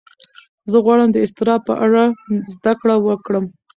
زه غواړم د اضطراب په اړه زده کړه وکړم.